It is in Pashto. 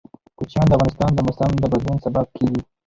کوچیان د افغانستان د موسم د بدلون سبب کېږي.